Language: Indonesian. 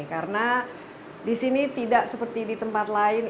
karena disini tidak seperti di tempat lain